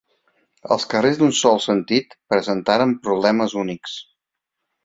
Els carrers d'un sol sentit presentaren problemes únics.